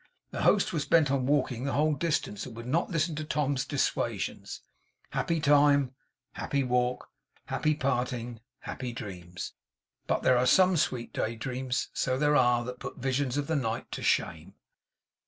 Their host was bent on walking the whole distance, and would not listen to Tom's dissuasions. Happy time, happy walk, happy parting, happy dreams! But there are some sweet day dreams, so there are that put the visions of the night to shame.